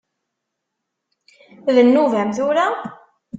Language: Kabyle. D nnuba-m tura?